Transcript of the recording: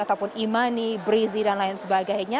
ataupun imani brizi dan lain sebagainya